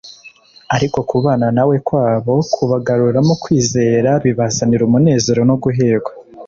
Ariko kubana na we kwabo kubagaruramo kwizera, bibazanira umunezero no guhirwa.